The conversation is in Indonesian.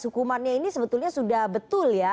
hukumannya ini sebetulnya sudah betul ya